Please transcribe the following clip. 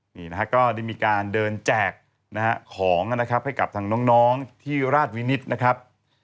นี่นะฮะก็ได้มีการเดินแจกนะฮะของนะครับให้กับทางน้องที่ราชวินิตนะครับ